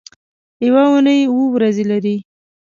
یوه اونۍ اووه ورځې لري